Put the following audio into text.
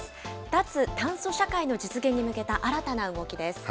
脱炭素社会の実現に向けた新たな動きです。